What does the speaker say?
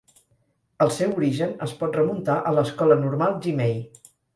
El seu origen es pot remuntar a l'Escola normal Jimei.